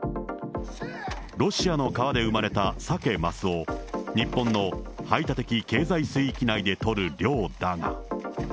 ロシアの川で生まれたサケ・マスを日本の排他的経済水域内で取る漁だが。